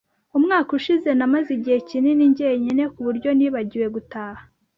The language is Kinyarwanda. Umwaka ushize, namaze igihe kinini jyenyine kuburyo nibagiwe gutaha